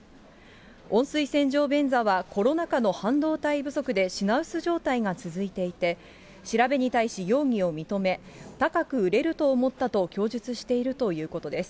温水洗浄便座は、コロナ禍の半導体不足で品薄状態が続いていて、調べに対し容疑を認め、高く売れると思ったと供述しているということです。